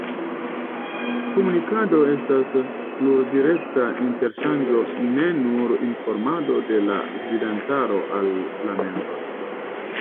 Komunikado estas plurdirekta interŝanĝo ne nur informado de la gvidantaro al la membroj.